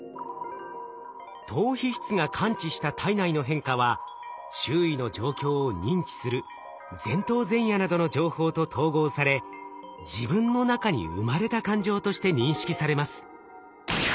島皮質が感知した体内の変化は周囲の状況を認知する前頭前野などの情報と統合され自分の中に生まれた感情として認識されます。